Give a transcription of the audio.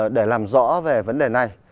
để làm rõ về vấn đề này